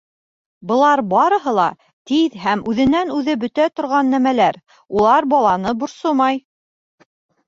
Былар барыһы ла тиҙ һәм үҙенән-үҙе бөтә торған нәмәләр, улар баланы борсомай.